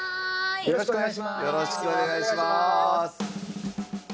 よろしくお願いします。